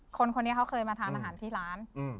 คนนี้เขาเคยมาทานอาหารที่ร้าน